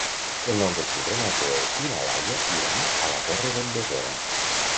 El nou d'octubre na Zoè i na Laia iran a la Torre d'en Besora.